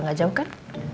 enggak jauh kan